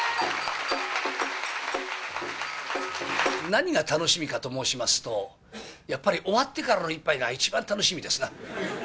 何が楽しみかと申しますと、やっぱり終わってからの一杯が一番楽しみですな。